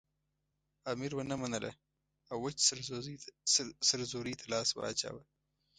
امیر ونه منله او وچ سرزوری ته لاس واچاوه.